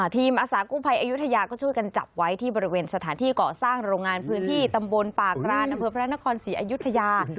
อาสากู้ภัยอายุทยาก็ช่วยกันจับไว้ที่บริเวณสถานที่เกาะสร้างโรงงานพื้นที่ตำบลป่ากรานอำเภอพระนครศรีอยุธยา